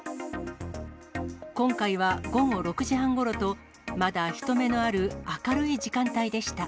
今回は午後６時半ごろと、まだ人目のある明るい時間帯でした。